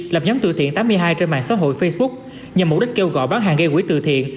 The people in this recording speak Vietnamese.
lập nhóm từ thiện tám mươi hai trên mạng xã hội facebook nhằm mục đích kêu gọi bán hàng gây quỹ từ thiện